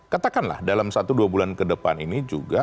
katakanlah dalam satu dua bulan ke depan ini juga